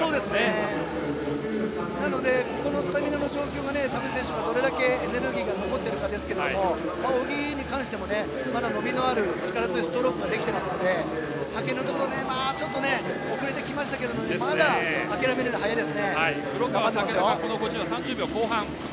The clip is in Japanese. なので、このスタミナの状況が田渕選手、どれだけエネルギーが残っているかですが泳ぎに関しても伸びのある力強いストロークですので派遣のところ少し遅れてきましたがまだ諦めるのは早いですね。